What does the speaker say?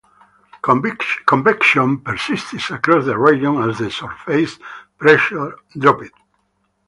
Convection persisted across the region as the surface pressure dropped.